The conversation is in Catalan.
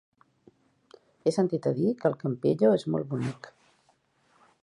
He sentit a dir que el Campello és molt bonic.